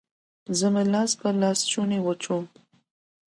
زه مې لاس په لاسوچوني وچوم